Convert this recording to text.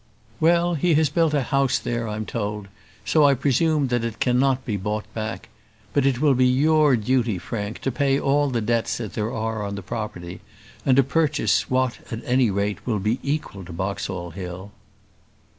"Well, he has built a house there, I'm told; so I presume that it cannot be bought back: but it will be your duty, Frank, to pay all the debts that there are on the property, and to purchase what, at any rate, will be equal to Boxall Hill."